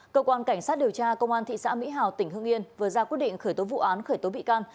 cơ quan cảnh sát điều tra công an thị xã mỹ hào tỉnh hương yên vừa ra quyết định khởi tố vụ án khởi tố bị can